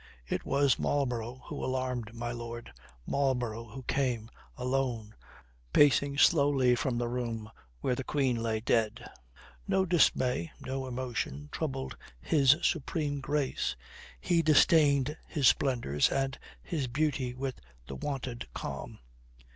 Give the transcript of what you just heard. It was Marlborough who alarmed my lord, Marlborough who came, alone, pacing slowly from the room where the Queen lay dead. No dismay, no emotion troubled his supreme grace. He disdained his splendours and his beauty with the wonted calm.